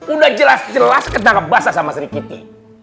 udah jelas jelas kena ngebasa sama sri kitty